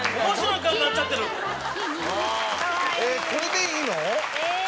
えっこれでいいの？